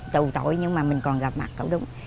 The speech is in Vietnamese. tù tội nhưng mà mình còn gặp mặt cầu đúng